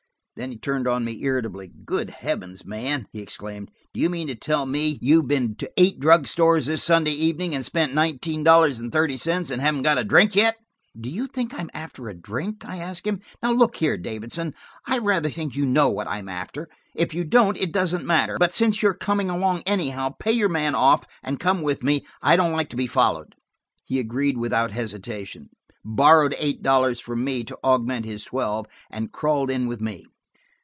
Then he turned on me irritably. "Good heavens, man," he exclaimed, "do you mean to tell me you've been to eight drug stores this Sunday evening and spent nineteen dollars and thirty cents, and haven't got a drink yet?" "Do you think I'm after a drink?" I asked him. "Now look here, Davidson, I rather think you know what I am after. If you don't, it doesn't matter. But since you are coming along anyhow, pay your man off and come with me. I don't like to be followed." He agreed without hesitation, borrowed eight dollars from me to augment his twelve and crawled in with me.